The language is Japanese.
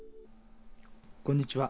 こんにちは。